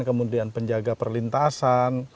kemudian penjaga perlintasan